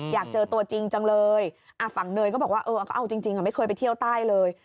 อยากเจอตัวจริงจังเลยฝั่งเนยก็บอกว่าเออก็เอาจริงไม่เคยไปเที่ยวใต้เลย